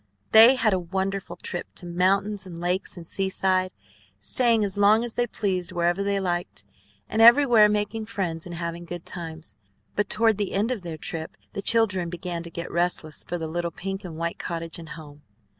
They had a wonderful trip to mountains and lakes and seaside, staying as long as they pleased wherever they liked, and everywhere making friends and having good times; but toward the end of their trip the children began to get restless for the little pink and white cottage and home.